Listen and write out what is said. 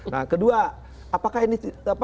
nah kedua apakah ini